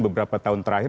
beberapa tahun terakhir